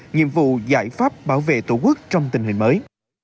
nhiệm vụ giải pháp bảo vệ tổ quốc trong tình hình mới